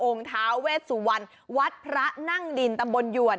องค์ทาเวสวันวัดพระนั่งดินตะบลอยวร